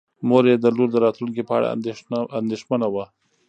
مور یې د لور د راتلونکي په اړه اندېښمنه وه.